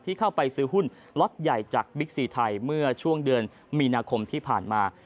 เข้าไปซื้อหุ้นล็อตใหญ่จากบิ๊กซีไทยเมื่อช่วงเดือนมีนาคมที่ผ่านมา